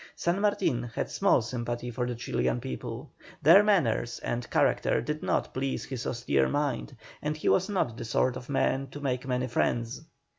San Martin had small sympathy for the Chilian people; their manners and character did not please his austere mind, and he was not the sort of man to make many friends.